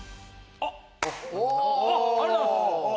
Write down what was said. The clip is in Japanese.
ありがとうございます。